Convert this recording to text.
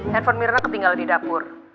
handphone mirna ketinggal di dapur